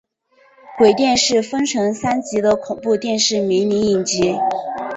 鬼店是分成三集的恐怖电视迷你影集。